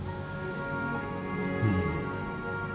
うん。